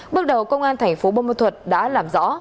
bước đầu công an tp bông môn thuật đã làm rõ